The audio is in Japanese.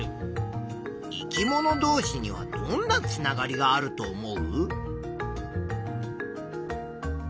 生き物どうしにはどんなつながりがあると思う？